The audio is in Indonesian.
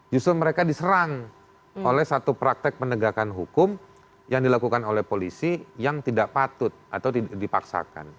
justru mereka diserang oleh satu praktek penegakan hukum yang dilakukan oleh polisi yang tidak patut atau dipaksakan